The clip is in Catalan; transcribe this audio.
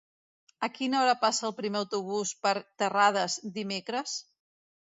A quina hora passa el primer autobús per Terrades dimecres?